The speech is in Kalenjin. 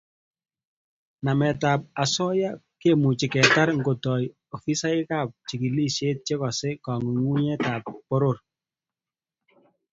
Nametab osoya kemuchi ketar ngetoi ofisisiekab chigilisiet chekosei kangungunyetab poror